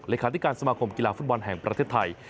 รายการที่การสมาคมกีฬาภูมิบ้านแห่งพลัทธัย